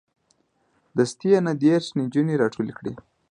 دستې یې نه دېرش نجونې راټولې کړې.